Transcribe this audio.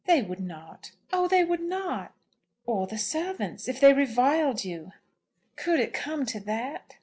"They would not; oh, they would not!" "Or the servants, if they reviled you?" "Could it come to that?"